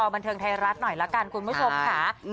บันเทิงไทยรัฐหน่อยละกันคุณผู้ชมค่ะ